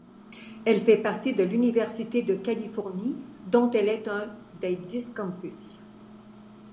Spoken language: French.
Elle fait partie de l'université de Californie dont elle est un des dix campus.